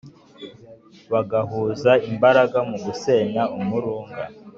bagahuza imbaraga mu gusenya umurunga